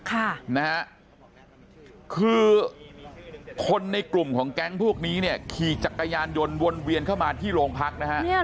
ค่ะนะฮะคือคนในกลุ่มของแก๊งพวกนี้เนี่ยขี่จักรยานยนต์วนเวียนเข้ามาที่โรงพักนะฮะ